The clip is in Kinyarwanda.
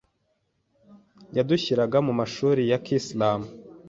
yadushyiraga mu mashuri ya kisilamu.